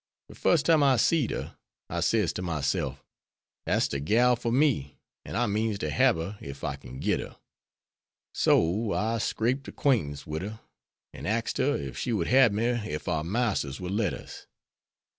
De fust time I seed her, I sez to myself, 'Dat's de gal for me, an' I means to hab her ef I kin git her.' So I scraped 'quaintance wid her, and axed her ef she would hab me ef our marsters would let us.